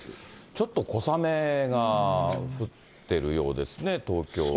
ちょっと小雨が降ってるようですね、東京は。